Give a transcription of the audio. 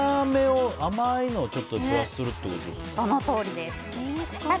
甘いのをちょっとプラスするってことかな。